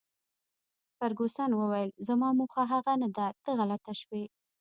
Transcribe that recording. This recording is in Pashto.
فرګوسن وویل: زما موخه هغه نه ده، ته غلطه شوې.